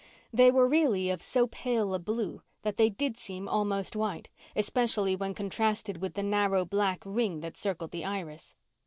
They were really of so pale a blue that they did seem almost white, especially when contrasted with the narrow black ring that circled the iris.